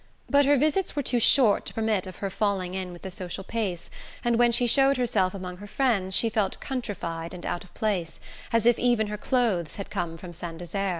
But her visits were too short to permit of her falling in with the social pace, and when she showed herself among her friends she felt countrified and out of place, as if even her clothes had come from Saint Desert.